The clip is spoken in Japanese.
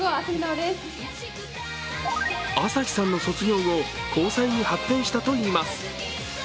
朝日さんの卒業後、交際に発展したといいます。